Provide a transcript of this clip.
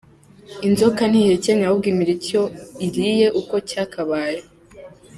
Inzoka ntihekenya ahubwo imira icyo iriye uko cyakabaye.